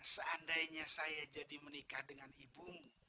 seandainya saya jadi menikah dengan ibumu